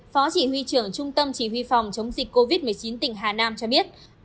phó chỉ huy trưởng trung tâm chỉ huy phòng chống dịch covid một mươi chín tỉnh hà nam cho biết